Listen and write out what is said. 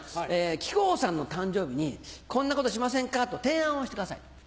木久扇さんの誕生日に「こんなことしませんか」と提案をしてください。